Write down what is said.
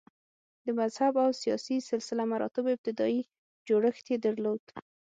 د مذهب او سیاسي سلسه مراتبو ابتدايي جوړښت یې درلود